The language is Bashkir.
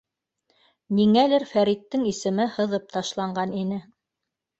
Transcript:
Ниңәлер Фәриттең исеме һыҙып ташланған ине.